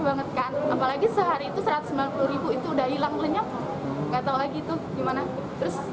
banget kan apalagi sehari itu satu ratus sembilan puluh itu udah hilang lenyap nggak tahu lagi tuh gimana terus